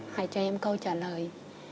hãy cho em câu trả lời